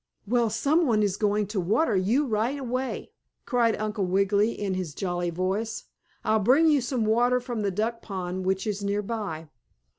"Well, some one is going to water you right away!" cried Uncle Wiggily in his jolly voice. "I'll bring you some water from the duck pond, which is near by."